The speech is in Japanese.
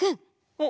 あ